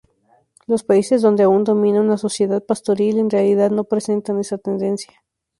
Los países donde aún domina una sociedad pastoril, en realidad no presentan esta tendencia.